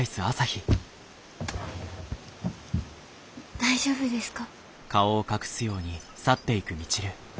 大丈夫ですか？